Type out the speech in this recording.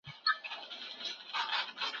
خلکو فکر کاوه چي دولت به ژر ړنګ سي.